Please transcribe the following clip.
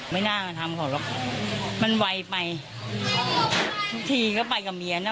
ไม่น่ามาทำเขาหรอกมันไวไปทุกทีก็ไปกับเมียน่ะ